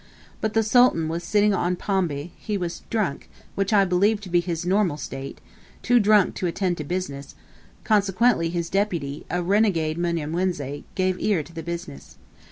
But the Sultan was sitting on pombe; he was drunk, which I believe to be his normal state too drunk to attend to business, consequently his deputy, a renegade Mnyamwezi, gave ear to the business.